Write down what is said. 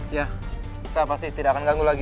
ya kita pasti tidak akan ganggu lagi